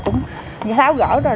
cũng giáo gỡ rồi